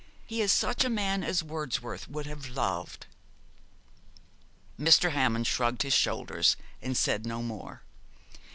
He is such a man as Wordsworth would have loved.' Mr. Hammond shrugged his shoulders, and said no more.